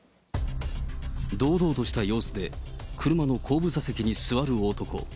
堂々とした様子で車の後部座席に座る男。